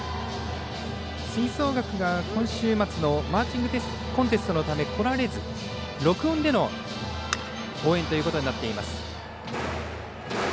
吹奏楽が今週末のマーチングコンテストのため来られず、録音での応援ということになっています。